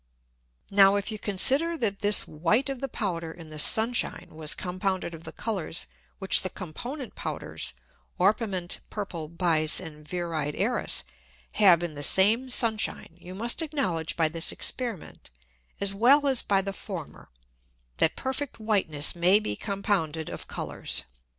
Now, if you consider, that this White of the Powder in the Sun shine was compounded of the Colours which the component Powders (Orpiment, Purple, Bise, and Viride Æris) have in the same Sun shine, you must acknowledge by this Experiment, as well as by the former, that perfect Whiteness may be compounded of Colours.